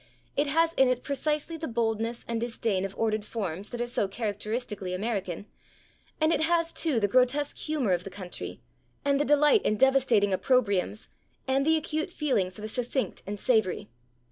It has in it precisely the boldness and disdain of ordered forms that are so characteristically American, and it has too the grotesque humor of the country, and the delight in devastating opprobriums, and the acute feeling for the succinct and savory.